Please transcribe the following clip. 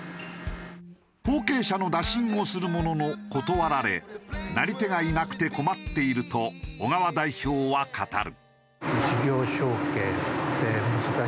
後継者の打診をするものの断られなり手がいなくて困っていると小川代表は語る。